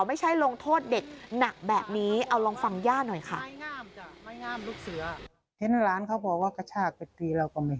ไม่ใช่โรงโทษเด็กหนักแบบนี้